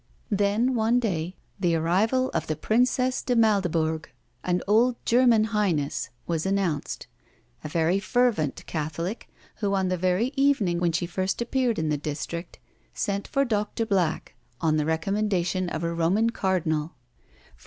Then, one day, the arrival of the Princess de Maldebourg, an old German Highness, was announced a very fervent Catholic, who on the very evening when she first appeared in the district, sent for Doctor Black on the recommendation of a Roman cardinal.